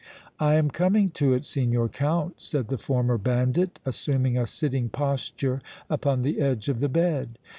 "I am coming to it, Signor Count," said the former bandit, assuming a sitting posture upon the edge of the bed.